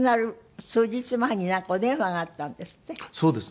そうですね。